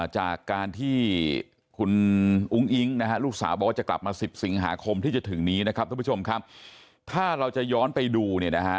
จากการที่คุณอุ้งอิ๊งลูกสาวบอกว่าจะกลับมาสิบสิงหาคมที่จะถึงนี้นะครับถ้าเราจะย้อนไปดู